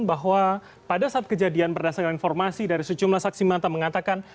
bahwa pada saat kejadian berdasarkan informasi dari sejumlah saksi mata mengatakan